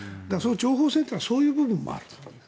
情報戦というのはそういう部分もある。